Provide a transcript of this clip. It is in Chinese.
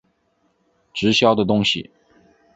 直销的东西